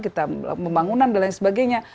kita pembangunan dan lain sebagainya